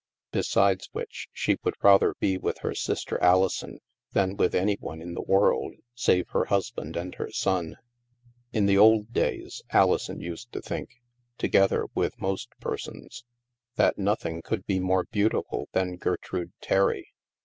Besides which, she would rather be with her sister Alison than with any one in the world, save her husband and her son. In the old days, Alison used to think (together with most persons) that nothing could be more beau tiful that Gertrude Terry.